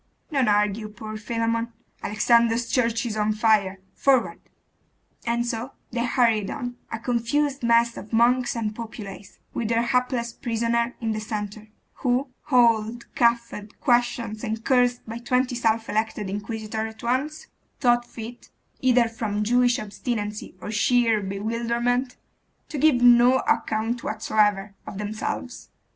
Don't argue, poor Philammon; Alexander's church is on fire! forward! And so they hurried on, a confused mass of monks and populace, with their hapless prisoners in the centre, who, hauled, cuffed, questioned, and cursed by twenty self elected inquisitors at once, thought fit, either from Jewish obstinacy or sheer bewilderment, to give no account whatsoever of themselves.